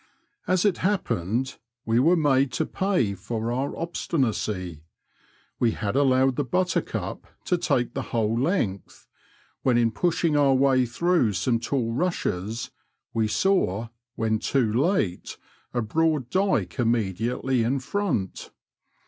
As it happened, we were made to pay for our obstinacy : we had allowed the Buttercup to take the whole length, when in pushing our way through some tall rushes we saw, when too late, a broad dyke immediately in front.